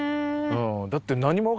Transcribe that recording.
だって。